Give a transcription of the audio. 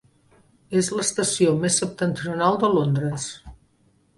És l'estació més septentrional de Londres.